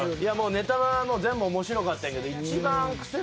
ネタは全部面白かったけど。